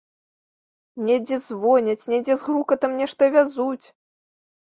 Недзе звоняць, недзе з грукатам нешта вязуць.